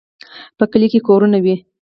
په کلي کې کورونه وي.